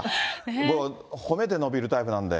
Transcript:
僕、ほめて伸びるタイプなんで。